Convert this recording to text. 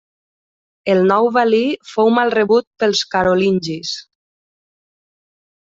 El nou valí fou mal rebut pels carolingis.